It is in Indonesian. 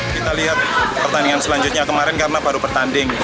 kita lihat pertandingan selanjutnya kemarin karena baru bertanding